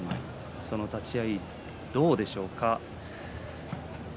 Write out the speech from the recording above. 立ち合いどうでしょうか？